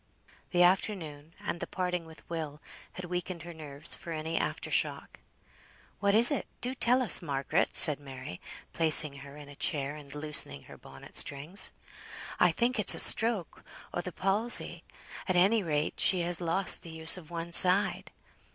The afternoon, and the parting with Will, had weakened her nerves for any after shock. "What is it? Do tell us, Margaret!" said Mary, placing her in a chair, and loosening her bonnet strings. "I think it's a stroke o' the palsy. Any rate she has lost the use of one side."